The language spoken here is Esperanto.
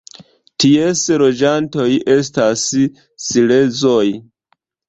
Ties loĝantoj estas silezoj.